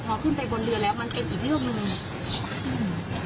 พอขึ้นไปบนเรือแล้วมันเป็นอีกเรื่องหนึ่งอืม